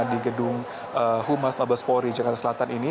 di gedung humas wabasbori jakarta selatan ini